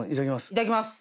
いただきます。